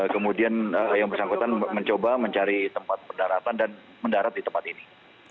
kemudian yang bersangkutan mencoba mencari tempat pendaratan dan mendarat di tempat ini